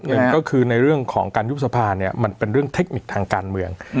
หนึ่งก็คือในเรื่องของการยุบสภาเนี่ยมันเป็นเรื่องเทคนิคทางการเมือง